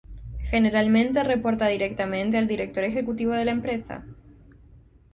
Generalmente reporta directamente al director ejecutivo de la empresa.